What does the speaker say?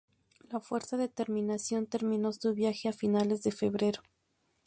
La "Fuerza de Terminación" terminó su viaje a finales de febrero.